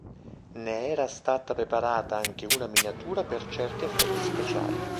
Ne era stata preparata anche una miniatura per certi effetti speciali.